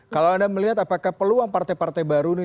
kalau anda melihat apakah peluang partai partai baru ini